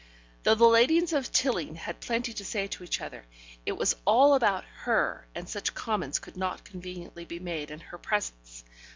Though the ladies of Tilling had plenty to say to each other, it was all about her, and such comments could not conveniently be made in her presence.